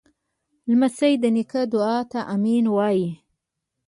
لمسی د نیکه دعا ته “امین” وایي.